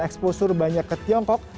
exposure banyak ke tiongkok